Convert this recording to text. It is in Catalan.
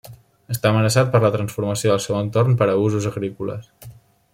Està amenaçat per la transformació del seu entorn per a usos agrícoles.